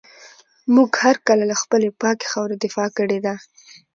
موږ هر کله له خپلي پاکي خاوري دفاع کړې ده.